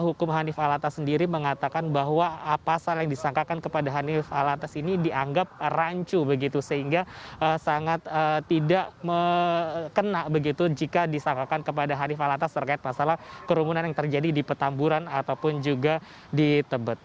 hukum hanif alatas sendiri mengatakan bahwa pasal yang disangkakan kepada hanif alatas ini dianggap rancu begitu sehingga sangat tidak kena begitu jika disangkakan kepada hanif alatas terkait masalah kerumunan yang terjadi di petamburan ataupun juga di tebet